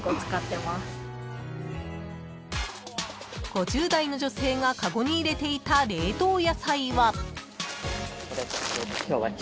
［５０代の女性がカゴに入れていた冷凍野菜は］